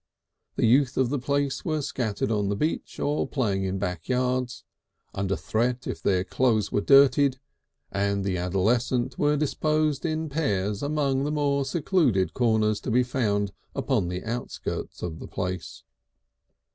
The youth of the place were scattered on the beach or playing in back yards, under threat if their clothes were dirtied, and the adolescent were disposed in pairs among the more secluded corners to be found upon the outskirts of the place.